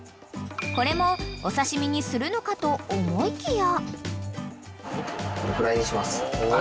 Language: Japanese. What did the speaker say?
［これもお刺身にするのかと思いきや］